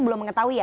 belum mengetahui ya